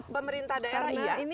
pemerintah daerah iya